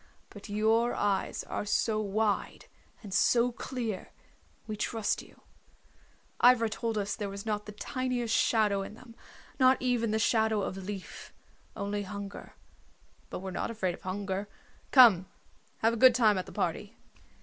But your eyes are so wide and so clear, we trust you. Ivra told us there was not the tiniest shadow in them, not even the shadow of leaf. Only hunger. But we're not afraid of hunger. Come, have a good time at the party."